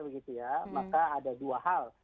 maka ada dua hal